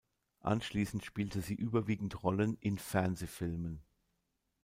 Anschließend spielte sie überwiegend Rollen in Fernsehfilmen.